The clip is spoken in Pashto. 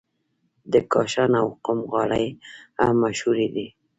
د کاشان او قم غالۍ هم مشهورې دي.